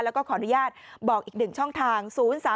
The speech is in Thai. แล้วก็ขออนุญาตบอกอีก๑ช่องทาง๐๓๒๖๑๑๑๔๘